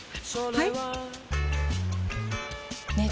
はい！